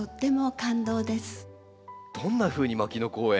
どんなふうに牧野公園